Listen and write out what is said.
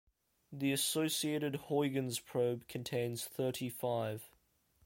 The associated Huygens probe contains thirty-five.